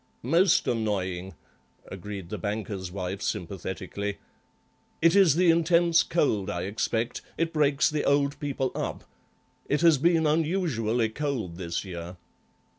"Most annoying," agreed the banker's wife, sympathetically; "it is the intense cold, I expect, it breaks the old people up. It has been unusually cold this year."